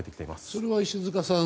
それは、石塚さん。